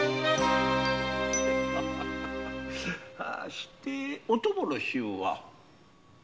してお供の衆は？